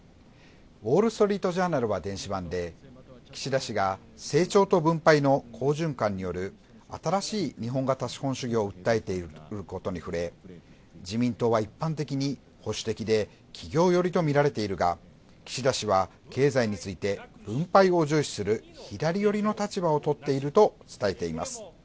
ウォール・ストリート・ジャーナルは電子版で、岸田氏が成長と分配の好循環による新しい日本型資本主義に訴えているいうことに触れ、自民党は一般的に保守的で企業よりと見られているが、岸田氏は経済について、分配を重視する左寄りの立場と伝えています。